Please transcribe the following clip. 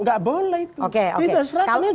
gak boleh itu seratnya